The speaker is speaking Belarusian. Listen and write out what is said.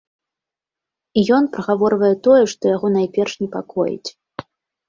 І ён прагаворвае тое, што яго найперш непакоіць.